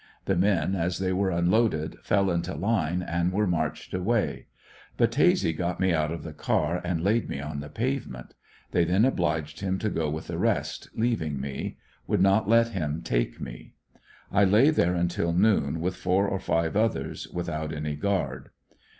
The men as they were unloaded, fell into line and were marched away. Battese got me out of the car, and laid me on the payement. They then obliged him to go with the rest, leaving me; w^ould not let him take me. I lay there until noon with four or five others, with out any guard.